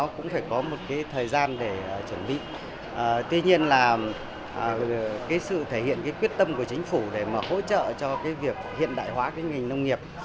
cái sự thể hiện cái quyết tâm của chính phủ để mà hỗ trợ cho cái việc hiện đại hóa cái ngành nông nghiệp